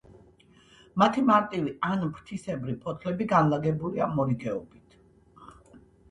მათი მარტივი ან ფრთისებრი ფოთლები განლაგებულია მორიგეობით.